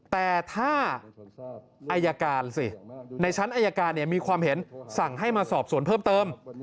แต่ถ้าอายการสิในชั้นอายการมีความเห็นสั่งให้มาสอบสวนเพิ่มเติม